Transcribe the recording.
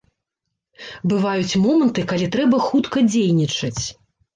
Бываюць моманты, калі трэба хутка дзейнічаць.